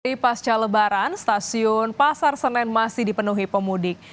di pasca lebaran stasiun pasar senen masih dipenuhi pemudik